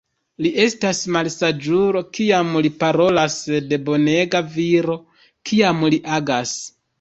Li estas malsaĝulo, kiam li parolas, sed bonega viro, kiam li agas.